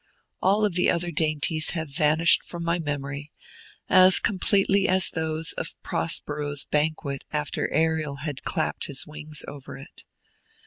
All the other dainties have vanished from my memory as completely as those of Prospero's banquet after Ariel had clapped his wings over it.